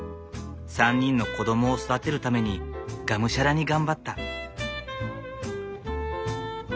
３人の子供を育てるためにがむしゃらに頑張った。